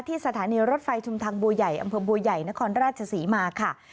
สถานีรถไฟชุมทางบัวใหญ่อำเภอบัวใหญ่นครราชศรีมาค่ะ